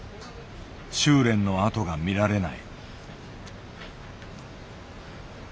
習練のあとが見られない。